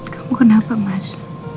kamu kenapa mas